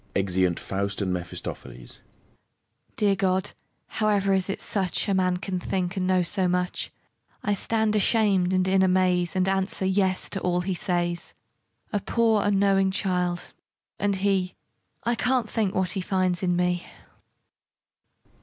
[Exeunt FAUST and MEPHISTOPHELES. MARGARET Dear God! However is it, such A man can think and know so much? I stand ashamed and in amaze, And answer "Yes" to all he says, A poor, unknowing child! and he I can't think what he finds in me!